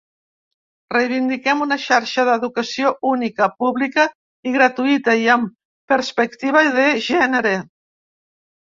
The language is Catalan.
Reivindiquem una xarxa d’educació única, pública i gratuïta i amb perspectiva de gènere.